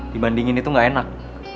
dibandingin itu gak enak